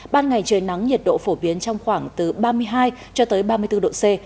ban ngày trời nắng nhiệt độ phổ biến trong khoảng từ ba mươi hai ba mươi bốn độ c